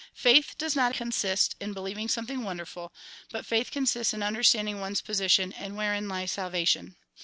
" Faith does not consist in believing something wonderful, but faith consists in understanding one's position, and wherein lies salvation.